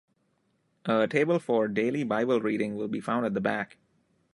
A table for daily Bible reading will be found at the back